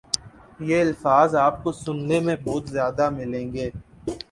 یہ الفاظ آپ کو سنے میں بہت زیادہ ملیں گے